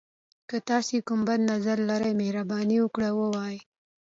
که تاسي کوم بل نظر لری، مهرباني وکړئ ووایئ.